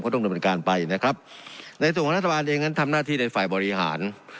ต้องดำเนินการไปนะครับในส่วนของรัฐบาลเองนั้นทำหน้าที่ในฝ่ายบริหาร